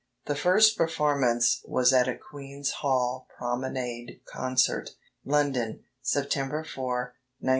The first performance was at a Queen's Hall Promenade Concert, London, September 4, 1902.